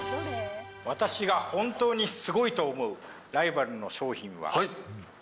私が本当にすごいと思うライバルの商品は。